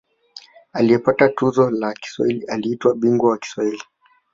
Aliyepata tuzo la Kiswahili aliitwa ‘Bingwa wa Kiswahili’.